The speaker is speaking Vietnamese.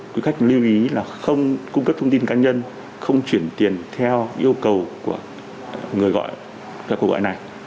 quý khách lưu ý là không cung cấp thông tin cá nhân không chuyển tiền theo yêu cầu của người gọi